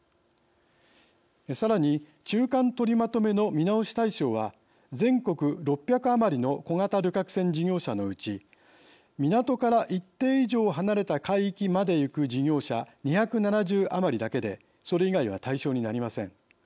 さらに中間とりまとめの見直し対象は全国６００余りの小型旅客船事業者のうち港から一定以上、離れた海域まで行く事業者２７０余りだけでそれ以外は対象になりません。